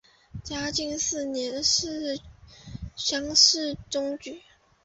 嘉靖四年乡试中举。